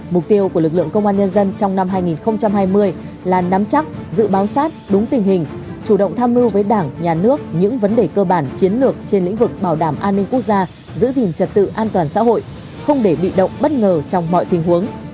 mục tiêu của lực lượng công an nhân dân trong năm hai nghìn hai mươi là nắm chắc dự báo sát đúng tình hình chủ động tham mưu với đảng nhà nước những vấn đề cơ bản chiến lược trên lĩnh vực bảo đảm an ninh quốc gia giữ gìn trật tự an toàn xã hội không để bị động bất ngờ trong mọi tình huống